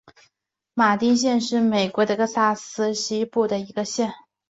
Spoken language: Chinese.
马丁县是美国德克萨斯州西部的一个县。